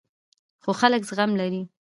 خو خلک زغم لري.